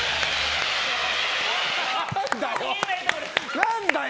何だよ！